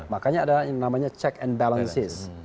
makanya ada yang namanya check and balances